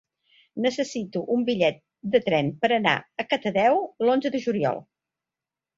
Necessito un bitllet de tren per anar a Catadau l'onze de juliol.